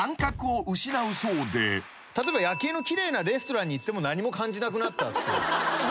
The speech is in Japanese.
例えば夜景の奇麗なレストランに行っても何も感じなくなったっていう。